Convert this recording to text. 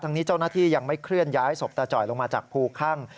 นี้เจ้าหน้าที่ยังไม่เคลื่อนย้ายศพตาจ่อยลงมาจากภูคั่ง